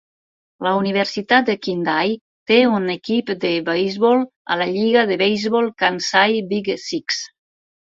La universitat de Kindai té un equip de beisbol a la lliga de beisbol Kansai Big Six.